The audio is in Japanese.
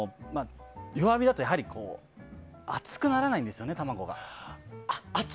弱火だと熱くならないんですよね、卵が。